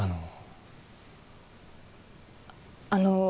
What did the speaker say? あの